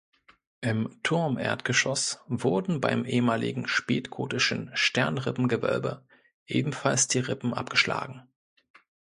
Im Turmerdgeschoß wurden beim ehemaligen spätgotischen Sternrippengewölbe ebenfalls die Rippen abgeschlagen.